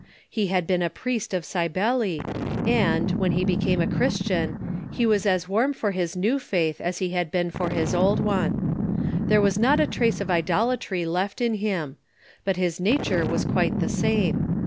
He had been a priest of Cybele, and, Avhen he be came a Christian, he was as warm for his new faith as he had been for his old one. There was not a trace of idolatry left in him; but his nature was quite the same.